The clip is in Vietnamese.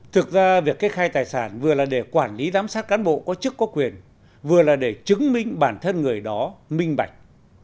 thực ra việc kê khai tài sản vừa là để quản lý giám sát cán bộ có chức có quyền vừa là để chứng minh bản thân người đó minh bạch